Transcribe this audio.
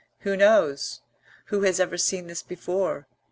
Who knows? Who has ever seen this before?